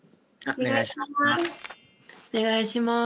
お願いします。